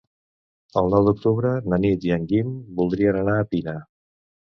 El nou d'octubre na Nit i en Guim voldrien anar a Pina.